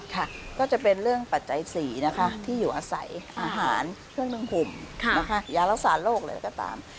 ค่ะก็จะเป็นเรื่องปัจจัยสี่นะคะที่อยู่อาศัยอาหารเพื่อนร่างคุมยารักษาโรคอะไรก็ตาม